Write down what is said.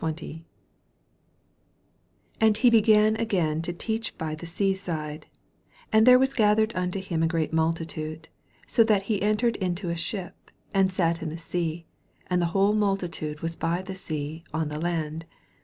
1 And he began again to teach by the sea side : and there was gathered unto him a great multitude, so that he entered into a ship, and sat in the Bea ; and the whole multitude was by the sea on the land.